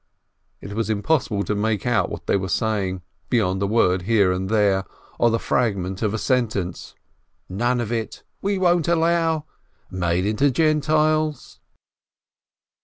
It was impossible to make out what they were saying, beyond a word here and there, or the fragment of a sentence :"— none of it !" "we won't allow —!""— made into Gentiles!"